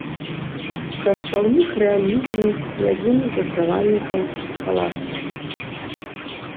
Прадстаўнік рэалізму і адзін з заснавальнікаў схаластыкі.